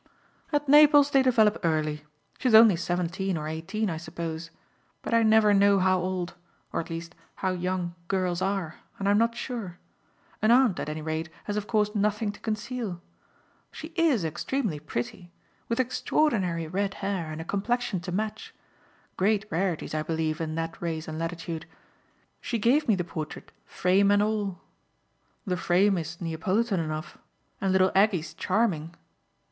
"At Naples they develop early. She's only seventeen or eighteen, I suppose; but I never know how old or at least how young girls are, and I'm not sure. An aunt, at any rate, has of course nothing to conceal. She IS extremely pretty with extraordinary red hair and a complexion to match; great rarities I believe, in that race and latitude. She gave me the portrait frame and all. The frame is Neapolitan enough and little Aggie's charming."